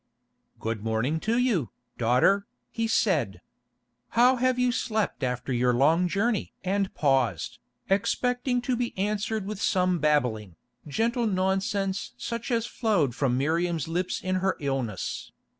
"Good morning to you, daughter," he said. "How have you slept after your long journey?" and paused, expecting to be answered with some babbling, gentle nonsense such as flowed from Miriam's lips in her illness.